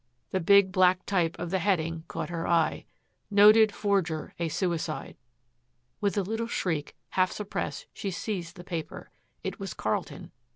The big black type of the heading caught her eye: NOTED FORGER A SUICIDE With a little shriek, half suppressed, she seized the paper. It was Carlton.